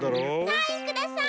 サインください！